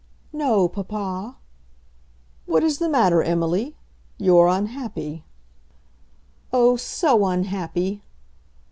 "No, papa." "What is the matter, Emily? You are unhappy." "Oh, so unhappy!"